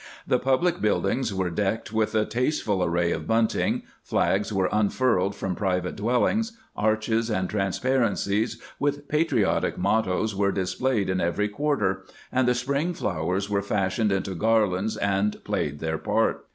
The public buildings were decked with a tasteful array of bunting; flags were unfurled from private dwellings; arches and transparencies with patriotic mottos were displayed in every quarter ; and the spring flowers were fashioned into garlands, and played their part.